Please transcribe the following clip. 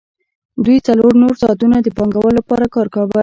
دوی څلور نور ساعتونه د پانګوال لپاره کار کاوه